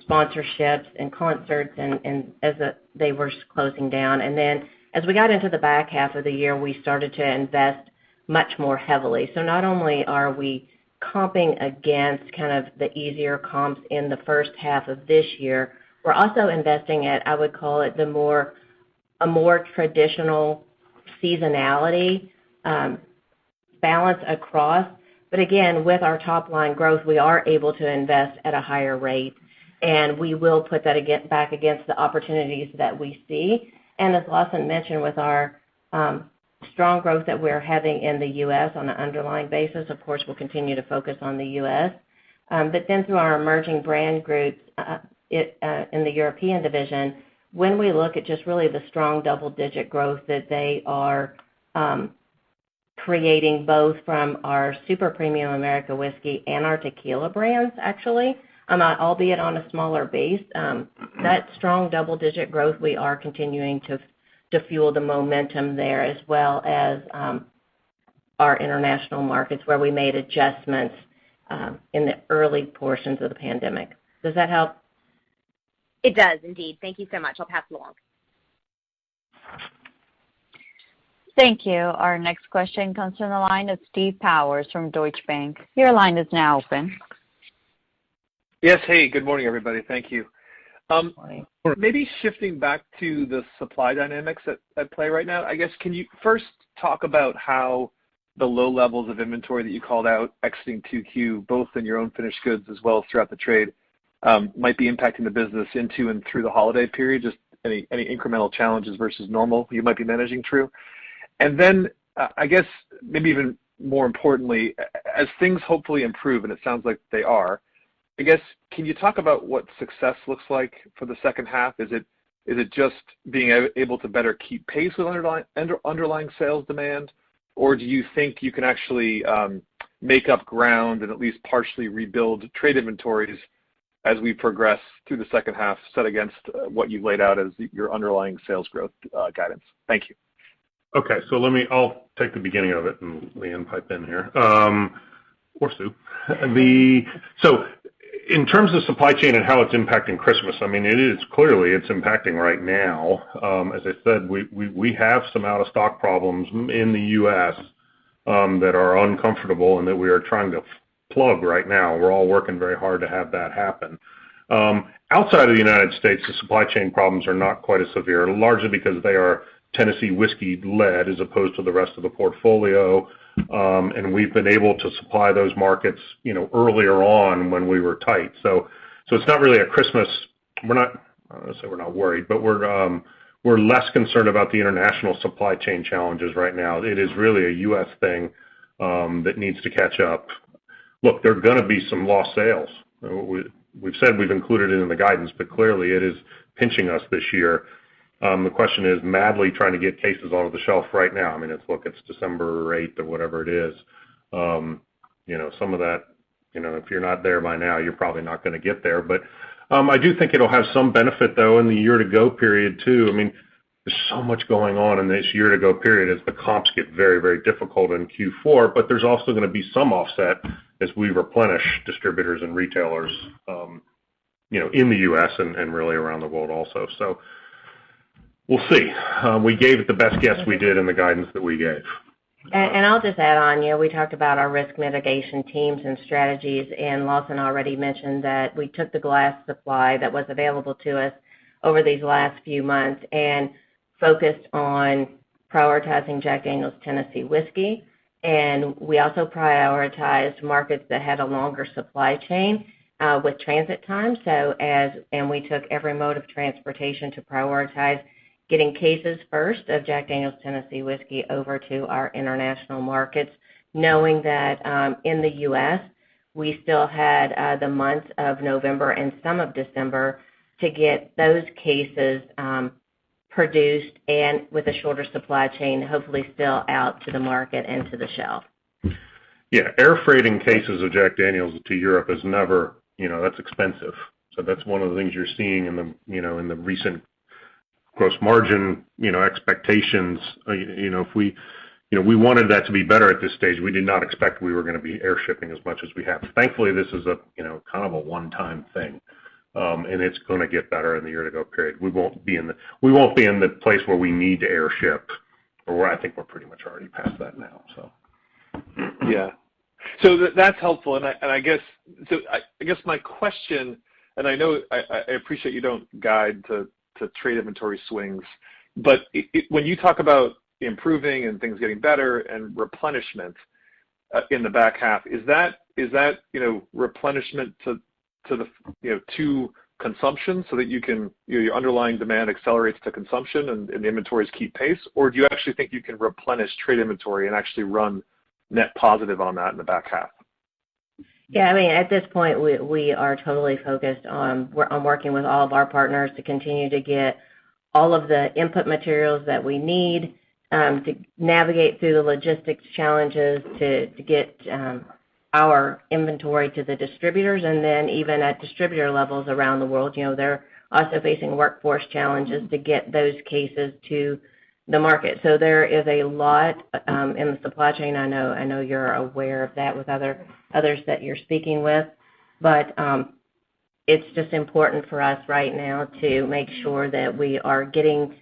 sponsorships and concerts and as they were closing down. Then as we got into the back half of the year, we started to invest much more heavily. Not only are we comping against kind of the easier comps in the first half of this year, we're also investing at, I would call it, a more traditional seasonality balance across. Again, with our top line growth, we are able to invest at a higher rate, and we will put that against the opportunities that we see. As Lawson mentioned, with our strong growth that we're having in the U.S. on an underlying basis, of course, we'll continue to focus on the U.S. Then through our emerging brand groups, in the European division, when we look at just really the strong double-digit growth that they are creating both from our super-premium American whiskey and our tequila brands, actually, albeit on a smaller base, that strong double-digit growth we are continuing to fuel the momentum there as well as our international markets where we made adjustments in the early portions of the pandemic. Does that help? It does indeed. Thank you so much. I'll pass along. Thank you. Our next question comes from the line of Steve Powers from Deutsche Bank. Your line is now open. Yes. Hey, good morning, everybody. Thank you. Good morning. Sure. Maybe shifting back to the supply dynamics at play right now. I guess, can you first talk about how the low levels of inventory that you called out exiting 2Q, both in your own finished goods as well as throughout the trade, might be impacting the business into and through the holiday period? Just any incremental challenges versus normal you might be managing through. Then, I guess maybe even more importantly, as things hopefully improve, and it sounds like they are, I guess, can you talk about what success looks like for the second half? Is it just being able to better keep pace with underlying sales demand? Do you think you can actually make up ground and at least partially rebuild trade inventories as we progress through the second half set against what you've laid out as your underlying sales growth, guidance? Thank you. Okay. I'll take the beginning of it and Leanne jump in here, or Sue. In terms of supply chain and how it's impacting Christmas, I mean, it is clearly impacting right now. As I said, we have some out-of-stock problems in the U.S. that are uncomfortable and that we are trying to plug right now. We're all working very hard to have that happen. Outside of the United States, the supply chain problems are not quite as severe, largely because they are Tennessee Whiskey led as opposed to the rest of the portfolio. We've been able to supply those markets, you know, earlier on when we were tight. It's not really a Christmas We're not. I don't wanna say we're not worried, but we're less concerned about the international supply chain challenges right now. It is really a U.S. thing that needs to catch up. Look, there are gonna be some lost sales. We've said we've included it in the guidance, but clearly, it is pinching us this year. We're madly trying to get cases off the shelf right now. I mean, it's December 8th or whatever it is. You know, some of that, you know, if you're not there by now, you're probably not gonna get there. I do think it'll have some benefit, though, in the year ago period, too. I mean, there's so much going on in this year ago period as the comps get very, very difficult in Q4, but there's also gonna be some offset as we replenish distributors and retailers, you know, in the U.S. and really around the world also. We'll see. We gave it the best guess we did in the guidance that we gave. I'll just add on. You know, we talked about our risk mitigation teams and strategies, and Lawson already mentioned that we took the glass supply that was available to us over these last few months and focused on prioritizing Jack Daniel's Tennessee Whiskey. We also prioritized markets that had a longer supply chain with transit time. We took every mode of transportation to prioritize getting cases first of Jack Daniel's Tennessee Whiskey over to our international markets, knowing that, in the U.S., we still had the month of November and some of December to get those cases produced and with a shorter supply chain, hopefully still out to the market and to the shelf. Yeah. Air freighting cases of Jack Daniel's to Europe is never, you know, that's expensive. So that's one of the things you're seeing in the, you know, in the recent gross margin, you know, expectations. You know, we wanted that to be better at this stage. We did not expect we were gonna be air shipping as much as we have. Thankfully, this is a, you know, kind of a one-time thing, and it's gonna get better in the year ago period. We won't be in the place where we need to airship, or where I think we're pretty much already past that now, so. Yeah. That's helpful. I guess my question, and I know I appreciate you don't guide to trade inventory swings, but when you talk about improving and things getting better and replenishment in the back half, is that you know, replenishment to the you know, to consumption so that you can you know, your underlying demand accelerates to consumption and the inventories keep pace? Or do you actually think you can replenish trade inventory and actually run net positive on that in the back half? Yeah. I mean, at this point, we are totally focused on working with all of our partners to continue to get all of the input materials that we need to navigate through the logistics challenges to get our inventory to the distributors and then even at distributor levels around the world. You know, they're also facing workforce challenges to get those cases to the market. There is a lot in the supply chain. I know you're aware of that with others that you're speaking with. It's just important for us right now to make sure that we are getting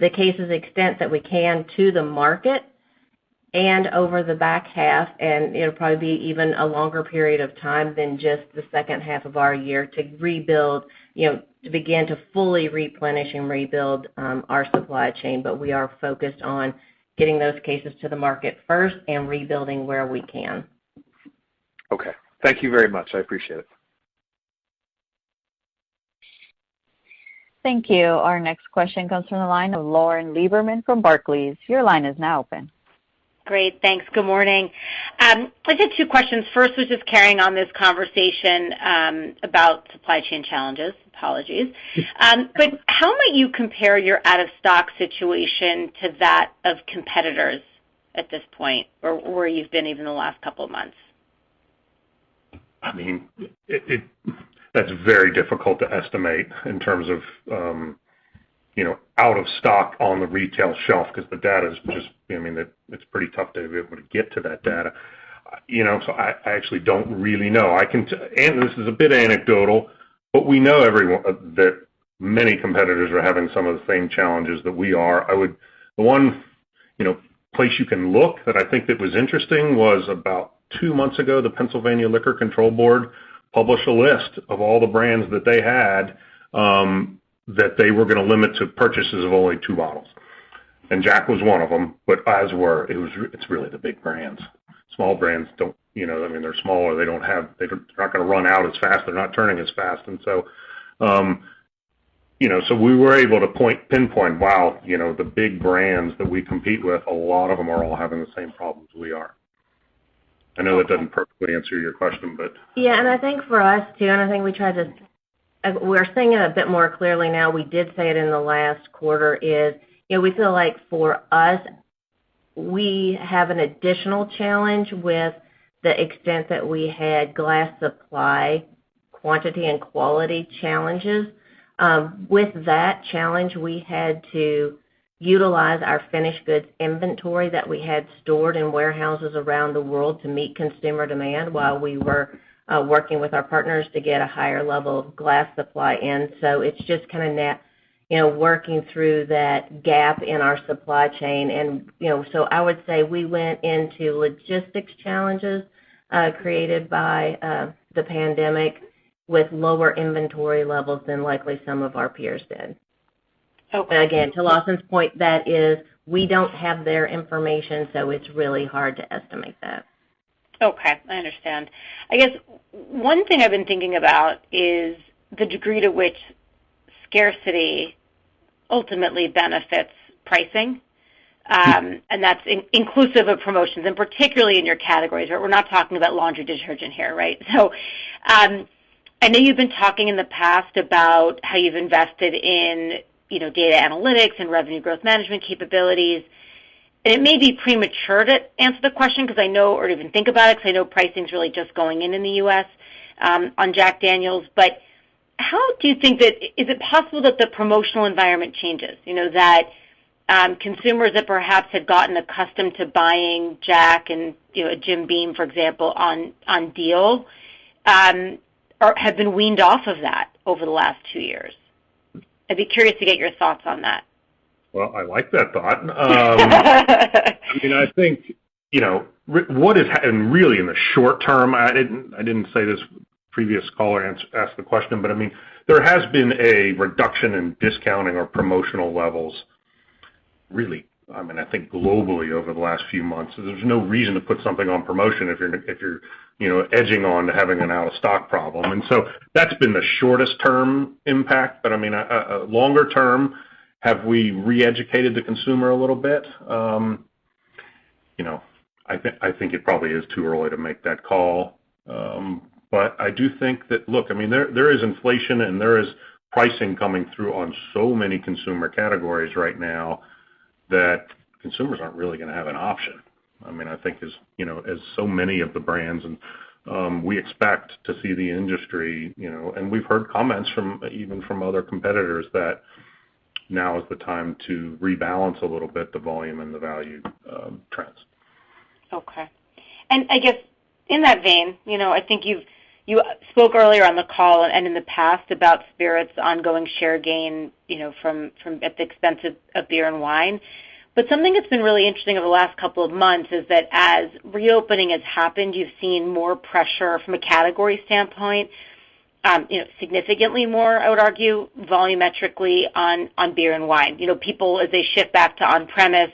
the cases to the extent that we can to the market and over the back half. It'll probably be even a longer period of time than just the second half of our year to rebuild, you know, to begin to fully replenish and rebuild, our supply chain. We are focused on getting those cases to the market first and rebuilding where we can. Okay. Thank you very much. I appreciate it. Thank you. Our next question comes from the line of Lauren Lieberman from Barclays. Your line is now open. Great. Thanks. Good morning. I got two questions. First was just carrying on this conversation about supply chain challenges. Apologies. How might you compare your out-of-stock situation to that of competitors at this point or where you've been even the last couple of months? I mean, That's very difficult to estimate in terms of, you know, out of stock on the retail shelf because the data is just, I mean, it's pretty tough to be able to get to that data. You know, so I actually don't really know. This is a bit anecdotal, but we know that many competitors are having some of the same challenges that we are. The one, you know, place you can look that I think that was interesting was about two months ago, the Pennsylvania Liquor Control Board published a list of all the brands that they had, that they were gonna limit to purchases of only two bottles, and Jack was one of them. But others were. It's really the big brands. Small brands don't, you know, I mean, they're smaller. They're not gonna run out as fast. They're not turning as fast. You know, we were able to pinpoint, wow, you know, the big brands that we compete with, a lot of them are all having the same problems we are. I know that doesn't perfectly answer your question, but. Yeah. I think for us, too, we're seeing it a bit more clearly now. We did say it in the last quarter. You know, we feel like for us, we have an additional challenge with the extent that we had glass supply quantity and quality challenges. With that challenge, we had to utilize our finished goods inventory that we had stored in warehouses around the world to meet consumer demand while we were working with our partners to get a higher level of glass supply in. It's just kind of that, you know, working through that gap in our supply chain. You know, I would say we went into logistics challenges created by the pandemic with lower inventory levels than likely some of our peers did. Okay. Again, to Lawson's point, that is, we don't have their information, so it's really hard to estimate that. Okay, I understand. I guess one thing I've been thinking about is the degree to which scarcity ultimately benefits pricing, and that's inclusive of promotions, and particularly in your categories. We're not talking about laundry detergent here, right? I know you've been talking in the past about how you've invested in, you know, data analytics and revenue growth management capabilities. It may be premature to answer the question because I know, or even think about it, because I know pricing is really just going in the U.S., on Jack Daniel's. How do you think that is it possible that the promotional environment changes? You know, that consumers that perhaps had gotten accustomed to buying Jack and, you know, Jim Beam, for example, on deal are have been weaned off of that over the last two years. I'd be curious to get your thoughts on that? Well, I like that thought. I mean, I think, you know, really in the short term, I didn't say this previous caller asked the question, but I mean, there has been a reduction in discounting our promotional levels, really, I mean, I think globally over the last few months. There's no reason to put something on promotion if you're, you know, edging on having an out-of-stock problem. That's been the shortest term impact. I mean, longer term, have we re-educated the consumer a little bit? You know, I think it probably is too early to make that call. I do think that, look, I mean, there is inflation and there is pricing coming through on so many consumer categories right now that consumers aren't really gonna have an option. I mean, I think as you know, as so many of the brands, and we expect to see the industry, you know. We've heard comments from even other competitors that now is the time to rebalance a little bit the volume and the value trends. Okay. I guess in that vein, you know, I think you spoke earlier on the call and in the past about spirits' ongoing share gain, you know, from at the expense of beer and wine. Something that's been really interesting over the last couple of months is that as reopening has happened, you've seen more pressure from a category standpoint, you know, significantly more, I would argue, volumetrically on beer and wine. You know, people, as they shift back to on-premise,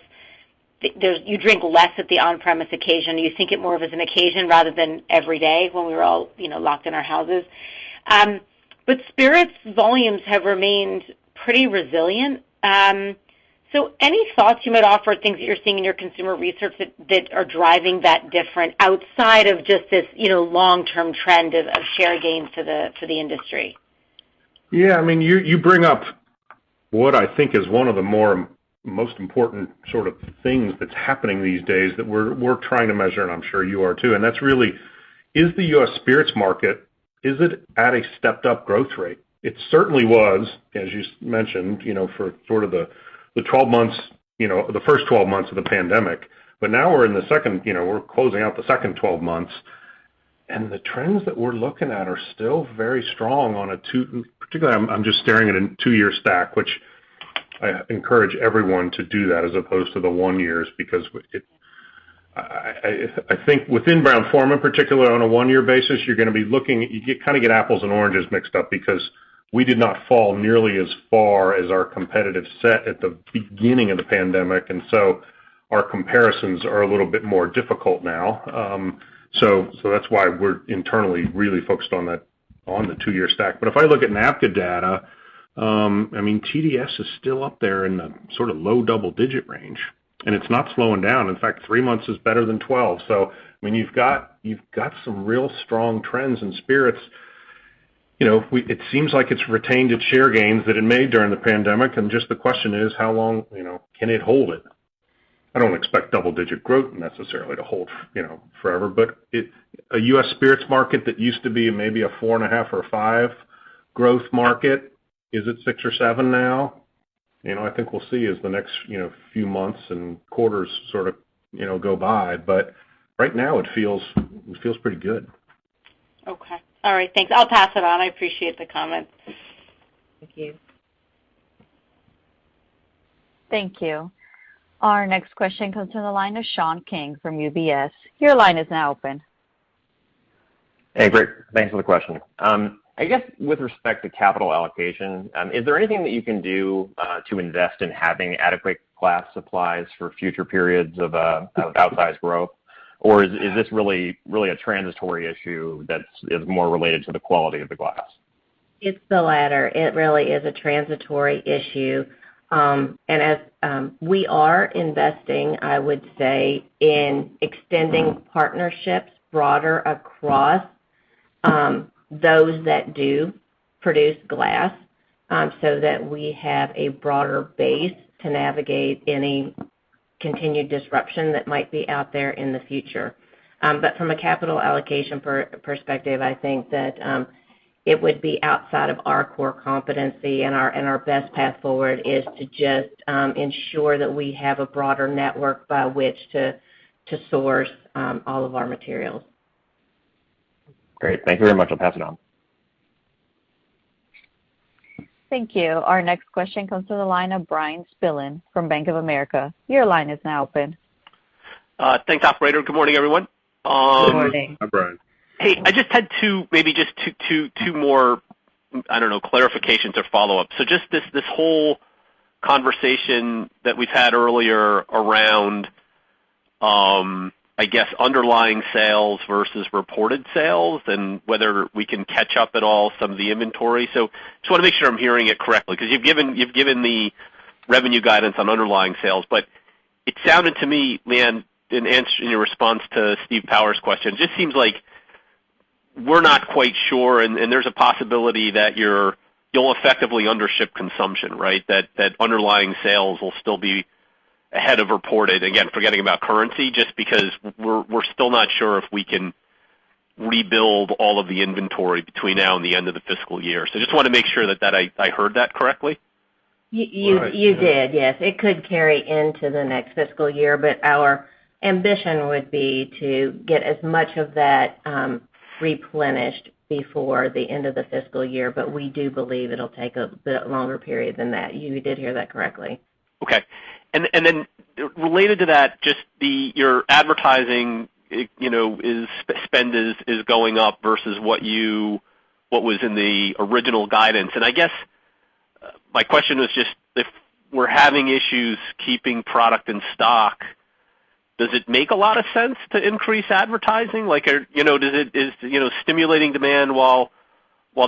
you drink less at the on-premise occasion. You think it more of as an occasion rather than every day when we were all, you know, locked in our houses. Spirits' volumes have remained pretty resilient. Any thoughts you might offer, things that you're seeing in your consumer research that are driving that different outside of just this, you know, long-term trend of share gains to the industry? Yeah, I mean, you bring up what I think is one of the most important sort of things that's happening these days that we're trying to measure, and I'm sure you are, too. That's really, is the U.S. spirits market, is it at a stepped-up growth rate? It certainly was, as you mentioned, you know, for sort of the 12 months, you know, the first 12 months of the pandemic. Now we're in the second, you know, we're closing out the second 12 months, and the trends that we're looking at are still very strong. Particularly, I'm just staring at a two-year stack, which I encourage everyone to do that as opposed to the one-year, because I think within Brown-Forman, particularly on a one-year basis, you're gonna be looking. You kinda get apples and oranges mixed up because we did not fall nearly as far as our competitive set at the beginning of the pandemic, and our comparisons are a little bit more difficult now. That's why we're internally really focused on the two-year stack. If I look at NABCA data, I mean, TDS is still up there in the sorta low double-digit range, and it's not slowing down. In fact, three months is better than 12. I mean, you've got some real strong trends in spirits. You know, it seems like it's retained its share gains that it made during the pandemic, and just the question is, how long, you know, can it hold it? I don't expect double-digit growth necessarily to hold, you know, forever. A U.S. spirits market that used to be maybe a 4.5% or a 5% growth market, is it 6% or 7% now? You know, I think we'll see as the next, you know, few months and quarters sorta, you know, go by. Right now it feels pretty good. Okay. All right, thanks. I'll pass it on. I appreciate the comments. Thank you. Thank you. Our next question comes from the line of Sean King from UBS. Your line is now open. Hey, great. Thanks for the question. I guess with respect to capital allocation, is there anything that you can do to invest in having adequate glass supplies for future periods of outsized growth? Is this really a transitory issue that's more related to the quality of the glass? It's the latter. It really is a transitory issue. As we are investing, I would say, in extending partnerships broader across those that do produce glass, so that we have a broader base to navigate any continued disruption that might be out there in the future. From a capital allocation perspective, I think that it would be outside of our core competency and our best path forward is to just ensure that we have a broader network by which to source all of our materials. Great. Thank you very much. I'll pass it on. Thank you. Our next question comes to the line of Bryan Spillane from Bank of America. Your line is now open. Thanks, operator. Good morning, everyone. Good morning. Hi, Bryan. Hey, I just had two, maybe just two more, I don't know, clarifications or follow-ups. This whole conversation that we've had earlier around, I guess underlying sales versus reported sales and whether we can catch up at all some of the inventory. Just wanna make sure I'm hearing it correctly, 'cause you've given the revenue guidance on underlying sales. It sounded to me, Leanne, in answer, in your response to Steve Powers's question, just seems like we're not quite sure, and there's a possibility that you'll effectively under-ship consumption, right? That underlying sales will still be ahead of reported. Again, forgetting about currency, just because we're still not sure if we can rebuild all of the inventory between now and the end of the fiscal year. Just wanna make sure that I heard that correctly? You did, yes. It could carry into the next fiscal year, but our ambition would be to get as much of that, replenished before the end of the fiscal year. We do believe it'll take a bit longer period than that. You did hear that correctly. Okay. Then related to that, just your advertising, you know, spend is going up versus what was in the original guidance. I guess my question is just if we're having issues keeping product in stock, does it make a lot of sense to increase advertising? Like, you know, does it, you know, stimulating demand while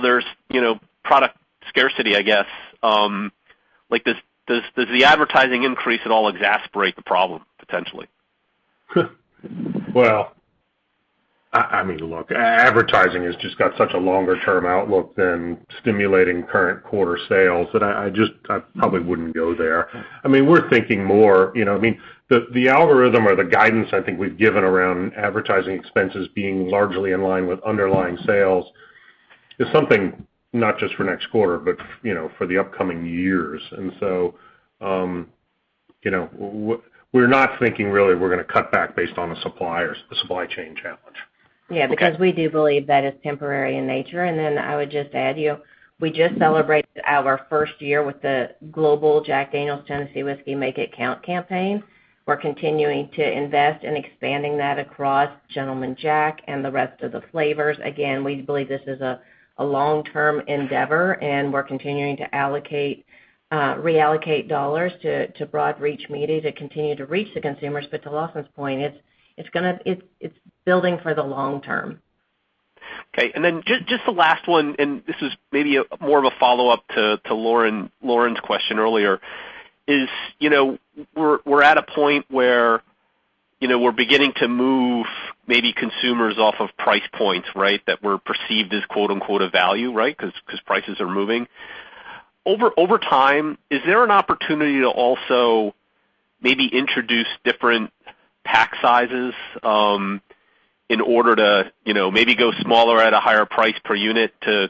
there's, you know, product scarcity, I guess, like does the advertising increase at all exacerbate the problem potentially? Well, I mean, look, advertising has just got such a longer term outlook than stimulating current quarter sales that I just probably wouldn't go there. I mean, we're thinking more, you know. I mean, the algorithm or the guidance I think we've given around advertising expenses being largely in line with underlying sales is something not just for next quarter, but, you know, for the upcoming years. You know, we're not thinking really we're gonna cut back based on the suppliers, the supply chain challenge. Yeah. Okay. Because we do believe that is temporary in nature. Then I would just add you, we just celebrated our first year with the global Jack Daniel's Tennessee Whiskey Make It Count campaign. We're continuing to invest in expanding that across Gentleman Jack and the rest of the flavors. Again, we believe this is a long-term endeavor, and we're continuing to allocate, reallocate dollars to broad reach media to continue to reach the consumers. To Lawson's point, it's gonna. It's building for the long term. Okay. Then just the last one, and this is maybe a more of a follow-up to Lauren's question earlier. You know, we're at a point where, you know, we're beginning to move maybe consumers off of price points, right? That were perceived as, quote-unquote, "a value," right? 'Cause prices are moving. Over time, is there an opportunity to also maybe introduce different pack sizes in order to, you know, maybe go smaller at a higher price per unit to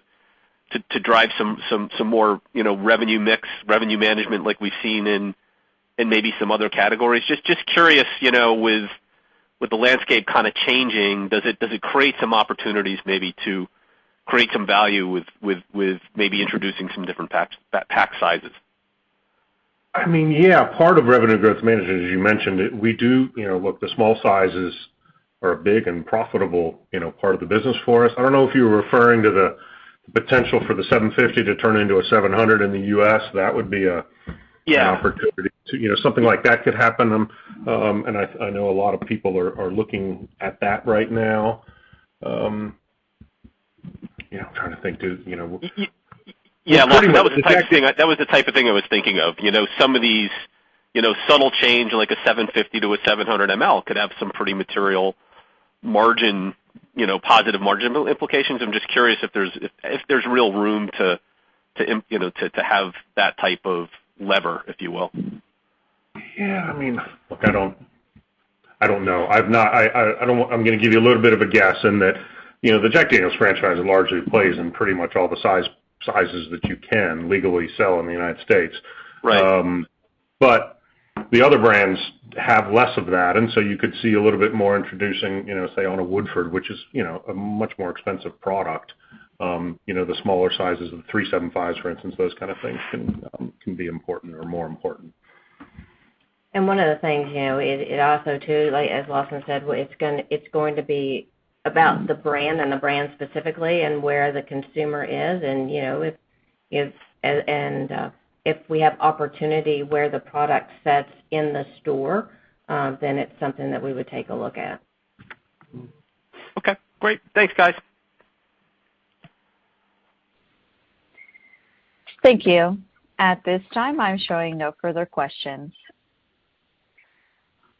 drive some more, you know, revenue mix, revenue management like we've seen in maybe some other categories? Just curious, you know, with the landscape kinda changing, does it create some opportunities maybe to create some value with maybe introducing some different packs, pack sizes? I mean, yeah. Part of revenue growth management, as you mentioned, we do. You know, look, the small sizes are a big and profitable, you know, part of the business for us. I don't know if you were referring to the potential for the 750 to turn into a 700 in the U.S. That would be a- Yeah. an opportunity to, you know, something like that could happen. I know a lot of people are looking at that right now. You know, I'm trying to think too, you know. Y-y-yeah. Pretty much the type. That was the type of thing I was thinking of. You know, some of these, you know, subtle change, like a 750 to a 700 ml could have some pretty material margin, you know, positive margin implications. I'm just curious if there's real room to have that type of lever, if you will? Yeah, I mean, look, I don't know. I'm gonna give you a little bit of a guess in that, you know, the Jack Daniel's franchise largely plays in pretty much all the sizes that you can legally sell in the United States. Right. The other brands have less of that, and so you could see a little bit more introducing, you know, say, on a Woodford, which is, you know, a much more expensive product. You know, the smaller sizes of 375s, for instance, those kind of things can be important or more important. One of the things, you know, it also too, like as Lawson said, well, it's going to be about the brand and the brand specifically and where the consumer is. You know, if we have opportunity where the product sits in the store, then it's something that we would take a look at. Okay, great. Thanks, guys. Thank you. At this time, I'm showing no further questions.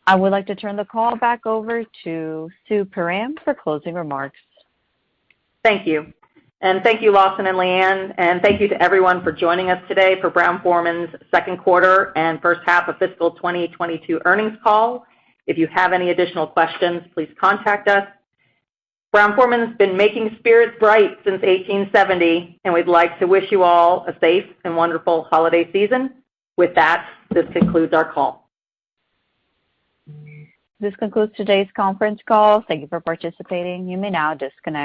I would like to turn the call back over to Susanne Perram for closing remarks. Thank you. Thank you, Lawson and Leanne. Thank you to everyone for joining us today for Brown-Forman's second quarter and first half of fiscal 2022 earnings call. If you have any additional questions, please contact us. Brown-Forman has been making spirits bright since 1870, and we'd like to wish you all a safe and wonderful holiday season. With that, this concludes our call. This concludes today's conference call. Thank you for participating. You may now disconnect.